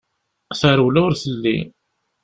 Tarewla ur telli.